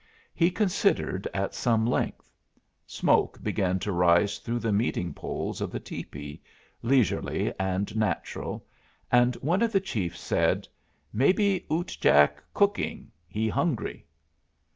He considered at some length. Smoke began to rise through the meeting poles of the tepee, leisurely and natural, and one of the chiefs said: "Maybe Ute Jack cooking. He hungry."